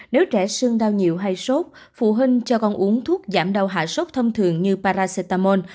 nếu trẻ sưng đau nhiều hay sốt phụ huynh cho con uống thuốc giảm đau hạ sốt thông thường như paracetamol